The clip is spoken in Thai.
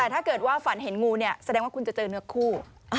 ถ้าเกิดว่าฝันเห็นงูเนี่ยแสดงว่าคุณจะเจอเนื้อคู่